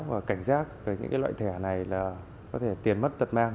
và cảnh giác về những loại thẻ này là có thể tiền mất tật mang